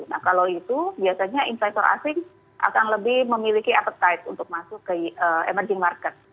nah kalau itu biasanya investor asing akan lebih memiliki appetite untuk masuk ke emerging market